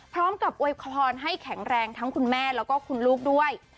อวยพรให้แข็งแรงทั้งคุณแม่แล้วก็คุณลูกด้วย